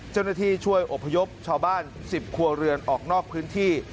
เจ้าหน้าที่ช่วยอบพยพชาวบ้าน๑๐ครัวเรือนออกนอกพื้นที่